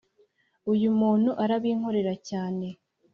uyu umuntu arabinkorera cyane